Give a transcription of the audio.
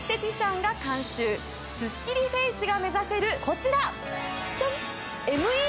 スッキリフェイスが目指せるこちらジャン！